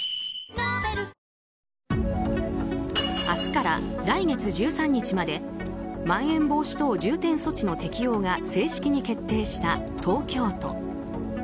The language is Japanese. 明日から来月１３日までまん延防止等重点措置の適用が正式に決定した東京都。